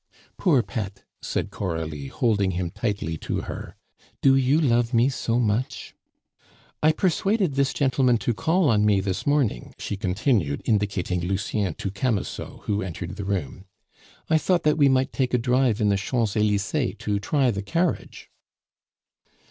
"Poor pet," said Coralie, holding him tightly to her, "do you love me so much? I persuaded this gentleman to call on me this morning," she continued, indicating Lucien to Camusot, who entered the room. "I thought that we might take a drive in the Champs Elysees to try the carriage."